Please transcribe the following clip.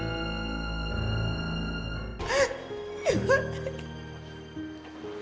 sampai jumpa di video selanjutnya